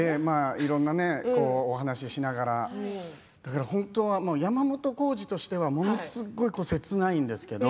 いろんなお話をしながら本当、山本耕史としては本当にものすごい切ないんですけれども